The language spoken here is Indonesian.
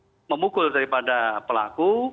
melakukan memukul daripada pelaku